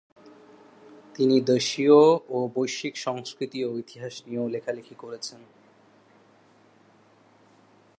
তিনি দেশীয় ও বৈশ্বিক সংস্কৃতি ও ইতিহাস নিয়েও লেখালিখি করেছেন।